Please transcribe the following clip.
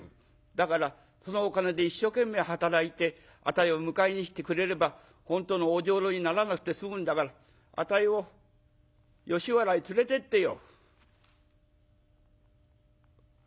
「だからそのお金で一生懸命働いてあたいを迎えに来てくれれば本当のお女郎にならなくて済むんだからあたいを吉原へ連れてってよ」。